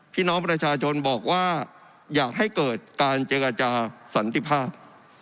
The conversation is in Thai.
พี่น้องประชาชนบอกว่าอยากให้เกิดการเจอกับอาจารย์สอนที่ภาพ